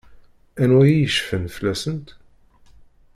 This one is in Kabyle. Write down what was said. Anwa i yecfan fell-asent?